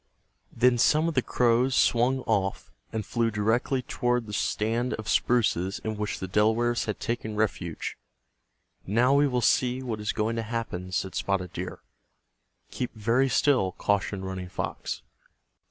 Then some of the crows swung off, and flew directly toward the stand of spruces in which the Delawares had taken refuge. "Now we will see what is going to happen," said Spotted Deer. "Keep very still," cautioned Running Fox.